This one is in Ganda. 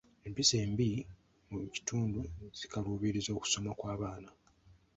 Empisa embi mu kitundu zikalubizza okusoma kw'abaana.